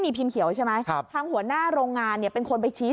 มีพิมพ์เขียวใช่ไหมครับทางหัวหน้าโรงงานเนี่ยเป็นคนไปชี้